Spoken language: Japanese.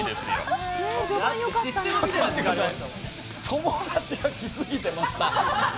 友達が来すぎてました。